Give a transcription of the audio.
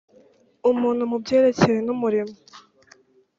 muntu mu byerekeranye n umurimo